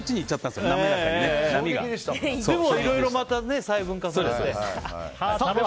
でも、いろいろまた細分化されて。